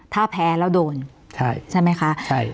ถ้าแพ้แล้วโดนใช่ไหมคะใช่